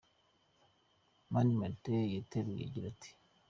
Mani Martin yateruye agira ati :.